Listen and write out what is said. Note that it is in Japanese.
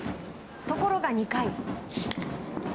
ところが、２回。